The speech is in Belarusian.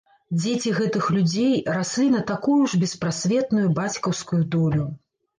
Дзеці гэтых людзей раслі на такую ж беспрасветную бацькаўскую долю.